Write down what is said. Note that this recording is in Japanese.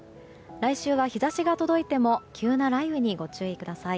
来週は日差しが届いても急な雷雨にご注意ください。